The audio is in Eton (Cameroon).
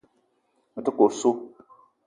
Me ta ke osso.